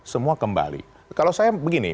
semua kembali kalau saya begini